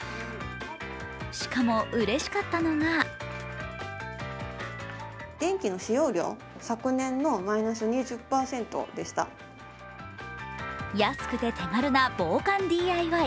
しかも、うれしかったのが安くて手軽な防寒ＤＩＹ。